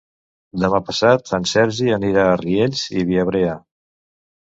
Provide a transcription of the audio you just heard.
Demà passat en Sergi anirà a Riells i Viabrea.